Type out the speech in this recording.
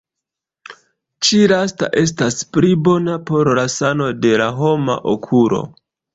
Ĉi lasta estas pli bona por la sano de la homa okulo.